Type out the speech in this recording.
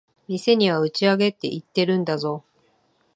店には打ち上げって言ってるんだぞ。